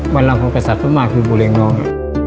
มันรังของกษัตริย์พระมาคือบูเรงลอง